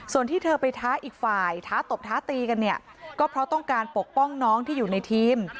ส่วนที่เธอไปท้าอีกฝ่ายท้าตบท้าตีกันเนี่ยก็เพราะต้องการปกป้องน้องที่อยู่ในทีม